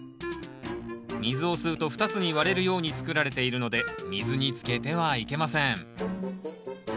水を吸うと２つに割れるように作られているので水につけてはいけません。